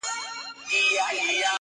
د بوډا مخي ته دي ناست څو ماشومان د کلي-